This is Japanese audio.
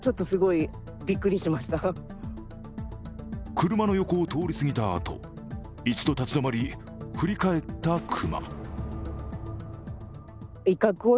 車の横を通り過ぎたあと、一度立ち止まり、振り返った熊。